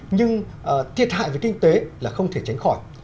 nhưng thiệt hại về kinh tế là không thể tránh khỏi